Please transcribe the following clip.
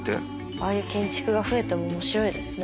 ああいう建築が増えても面白いですね。